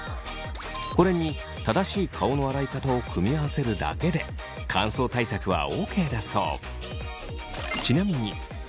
これに正しい顔の洗い方を組み合わせるだけで乾燥対策はＯＫだそう。